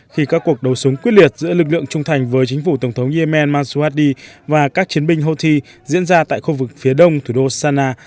khi các cuộc đấu súng quyết liệt giữa lực lượng trung thành với chính phủ tổng thống yemen masuardi và các chiến binh houthi diễn ra tại khu vực phía đông thủ đô sana